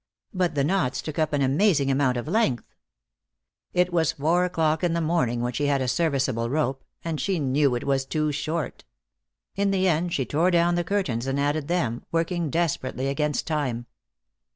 But the knots took up an amazing amount of length. It was four o'clock in the morning when she had a serviceable rope, and she knew it was too short. In the end she tore down the window curtains and added them, working desperately against time.